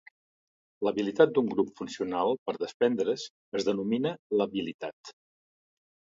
L'habilitat d'un grup funcional per desprendre's es denomina labilitat.